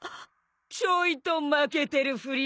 ちょいと負けてるふり